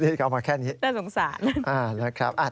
นี่ออกมาแค่นี้น่าสงสาร